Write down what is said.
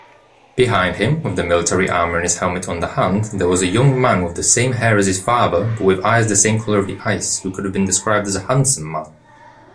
Behind him, with the military armor and his helmet underarm, there was a young man with the same hair as his father but with eyes the same color of the ice, who could have been described as a handsome man.